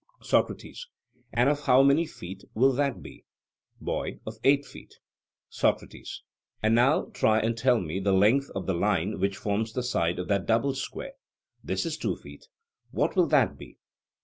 SOCRATES: And of how many feet will that be? BOY: Of eight feet. SOCRATES: And now try and tell me the length of the line which forms the side of that double square: this is two feet what will that be?